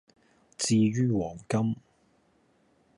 至於黃金